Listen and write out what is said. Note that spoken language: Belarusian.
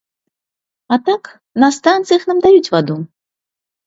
А так, на станцыях нам даюць ваду.